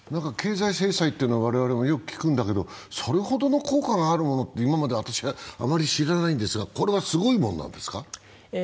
経済制裁というのは我々もよく聞くんだけれどもそれほどの効果があるものと、私はあまり知らないんですがこれはすごいものなんてすか。